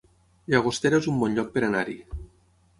Llagostera es un bon lloc per anar-hi